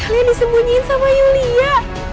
disembunyiin sama yulia